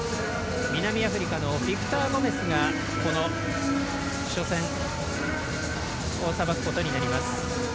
南アフリカのビクター・ゴメスがこの初戦をさばくことになります。